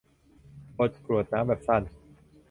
บทกรวดน้ำแบบสั้น